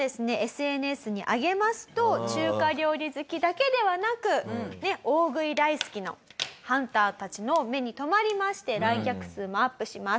ＳＮＳに上げますと中華料理好きだけではなく大食い大好きなハンターたちの目に留まりまして来客数もアップします。